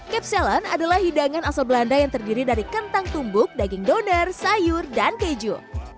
kapsalon adalah hidangan asal belanda yang terdiri dari kentang tumbuk daging doner sayur dan keju